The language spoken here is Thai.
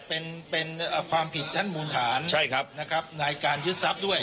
เป็นเป็นความผิดชั้นมูลฐานใช่ครับนะครับในการยึดทรัพย์ด้วย